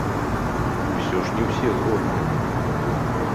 І ўсё ж не ўсе згодныя!